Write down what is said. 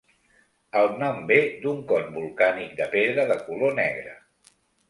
El nom ve d'un con volcànic de pedra de color negre.